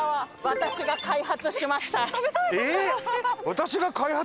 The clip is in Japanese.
私が開発しました。